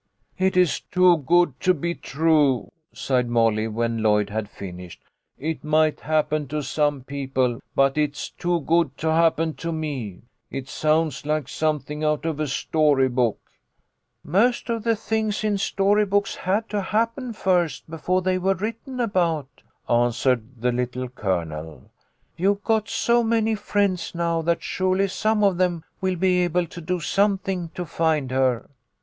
" It is too good to be true," sighed Molly, when Lloyd had finished. " It might happen to some peo ple, but it's too good to happen to me. It sounds like something out of a story book." " Most of the things in story books had to happen first before they were written about," answered the Little Colonel. " You've got so many friends now that surely some of them will be able to do something to find her."